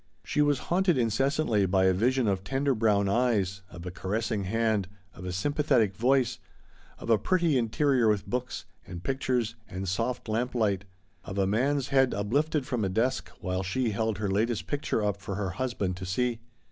She was haunted incessantly by a vision of tender brown eyes, of a caressing hand, of a sympathetic voice; of a pretty interior with books, and pictures, and soft MART TREES TO LIVE HER LIFE. 117 lamplight ; of a man's head uplifted from a desk, while she held her latest picture up for her husband to see.